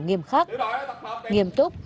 nghiêm khắc nghiêm túc